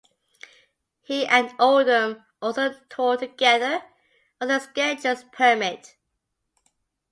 He and Oldham also tour together as their schedules permit.